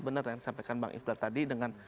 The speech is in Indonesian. benar yang disampaikan bang ifdar tadi dengan